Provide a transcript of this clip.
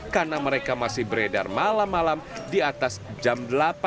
karena mereka masih beredar malam malam di atas jam delapan